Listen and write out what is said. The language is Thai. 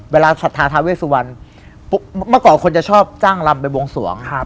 เวลาศัทธาทาเวสวันปุ๊บมาก่อนคนจะชอบจ้างรำไปวงสวง